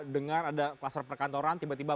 dengar ada kluster perkantoran tiba tiba